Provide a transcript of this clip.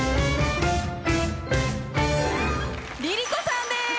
ＬｉＬｉＣｏさんです！